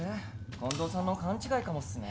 近藤さんの勘違いかもっすね。